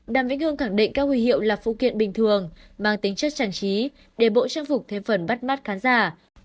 đàm vĩnh hương khẳng định các huy hiệu là phụ kiện bình thường mang tính chất trang trí để bộ trang phục thêm phần bắt mắt khán giả